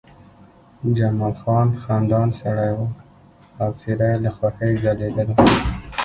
جمال خان خندان سړی و او څېره یې له خوښۍ ځلېدله